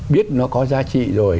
biết nó có giá trị rồi